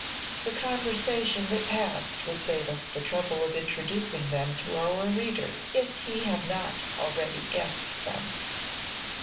The conversation that passed will save us the trouble of introducing them to our reader, if he have not already guessed them.